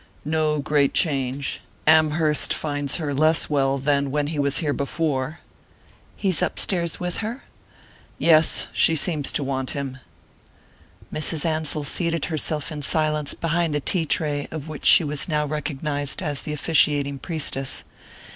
"No great change Amherst finds her less well than when he was here before." "He's upstairs with her?" "Yes she seems to want him." Mrs. Ansell seated herself in silence behind the tea tray, of which she was now recognized as the officiating priestess.